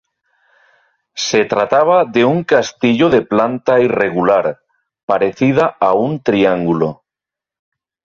Se trataba de un castillo de planta irregular, parecida a un triángulo.